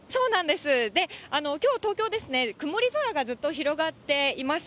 きょう、東京ですね、曇り空がずっと広がっています。